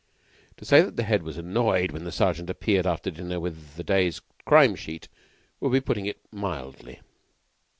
To say that the Head was annoyed when the Sergeant appeared after dinner with the day's crime sheet would be putting it mildly.